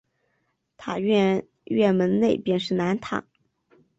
塔院院门内便是南塔。